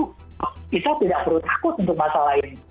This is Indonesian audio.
kita tidak perlu takut untuk masalah ini